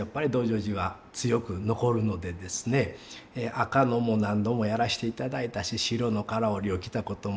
紅のも何度もやらしていただいたし白の唐織を着たことも。